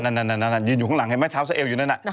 นั่นยืนอยู่ข้างหลังเห็นไหมเท้าซะเอวอยู่นั่นน่ะ